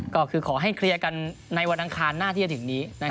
ก็คือขอให้เคลียร์กันในวันอังคารหน้าที่จะถึงนี้